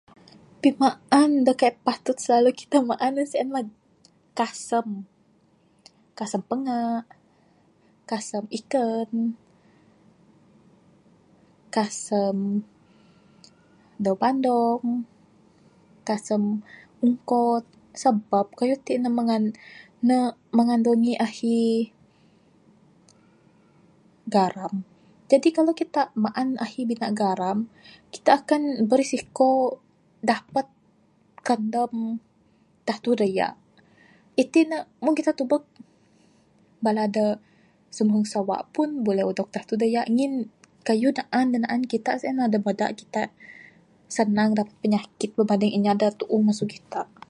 Pimaan da kaik ptut kita maan ne sien mah kasem. Kasem panga, kasem iken, kasem dawe bandong, kasem ungkod, sabab kayuh ti ne mengan, ne mengandungi ahi garam. Jadi kalau kita maan ahi bina garam, kita akan berisiko dapet kandem datuh dayak. Itin ne, mung kita tubek bala da simuhung sawa pun buleh odog datuh dayak ngin kayuh naan da naan kita sien lah da bada kita sanang dapet penyakit berbanding inya da tuuh masu kitak.